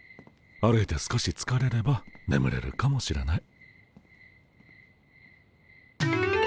歩いて少しつかれればねむれるかもしれない。